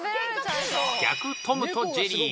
逆『トムとジェリー』